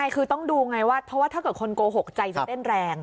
คือต้องดูไงว่าเพราะว่าถ้าเกิดคนโกหกใจจะเต้นแรง